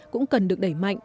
cũng cần được đẩy mạnh